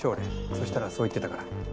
そしたらそう言ってたから。